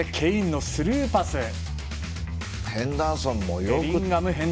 ヘンダーソンもよく。